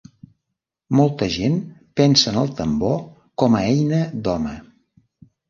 Molta gent pensa en el tambor com a eina d'home.